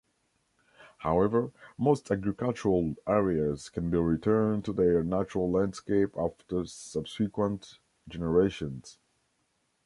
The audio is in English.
However, most agricultural areas can be returned to their natural landscape after subsequent generations.